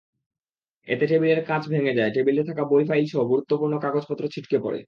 এতে টেবিলের কাচ ভেঙে যায়, টেবিলে থাকা বই-ফাইলসহ গুরুত্বপূর্ণ কাগজপত্র ছিটকে পড়ে।